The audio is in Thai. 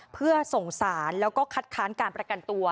เพื่อส่งสารแล้วก็คัดค้านการประกันตัว